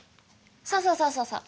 そうそうそうそうそう。